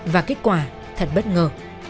và kết quả thật bất ngờ